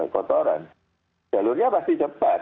kotoran jalurnya pasti cepat